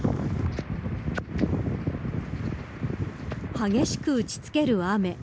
激しく打ち付ける雨。